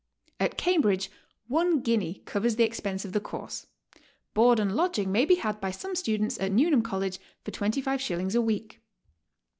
At Cambridge one guinea covers the expense of the course; board and lodging may i6o GOING ABROAD? be had by some students at Newnham College for 25 shillings a week.